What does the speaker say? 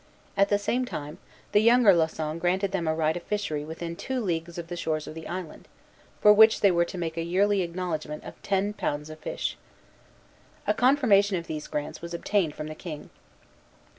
At the same time, the younger Lauson granted them a right of fishery within two leagues of the shores of the island, for which they were to make a yearly acknowledgment of ten pounds of fish. A confirmation of these grants was obtained from the King.